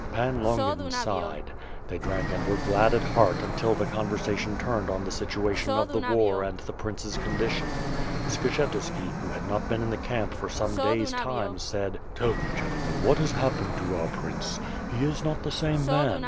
Pan Longin sighed. They drank and were glad at heart until the conversation turned on the situa tion of the war and the prince's condition. Skshetu§ki, who had not been in the camp for some days time, said: "Tell me, gentlemen, what has happened to our Prince? He is not the same man.